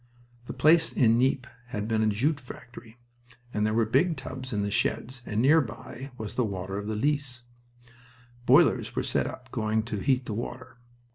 The place in Nieppe had been a jute factory, and there were big tubs in the sheds, and nearby was the water of the Lys. Boilers were set going to heat the water.